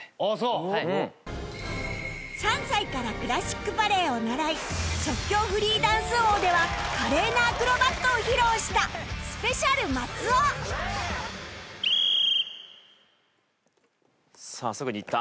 ３歳からクラシックバレエを習い即興フリーダンス王では華麗なアクロバットを披露した ＳｐｅｃｉａＬ 松尾さあすぐにいった。